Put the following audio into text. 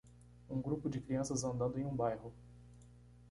Um grupo de crianças andando em um bairro.